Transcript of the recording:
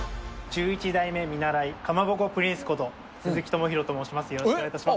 １１代目見習いかまぼこプリンスこと鈴木智博と申します。